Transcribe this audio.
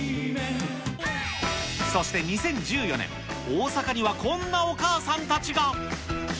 そして２０１４年、大阪にはこんなお母さんたちが。